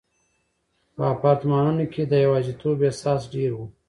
په اپارتمانونو کې د یوازیتوب احساس ډېر و.